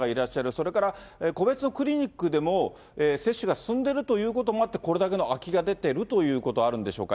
それから個別のクリニックでも接種が進んでるということもあって、これだけの空きが出てるということあるんでしょうか？